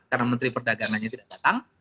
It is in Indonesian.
karena perdagangannya tidak datang